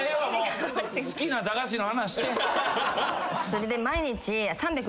それで毎日。